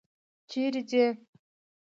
چیرې څې؟